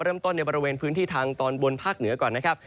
ในบริเวณพื้นที่ทางตอนบนภาคเหนือก่อนนะครับ